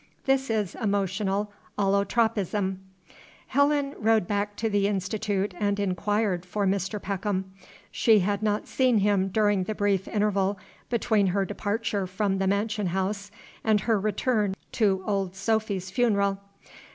This is emotional allotropism. Helen rode back to the Institute and inquired for Mr. Peckham. She had not seen him during the brief interval between her departure from the mansion house and her return to Old Sophy's funeral.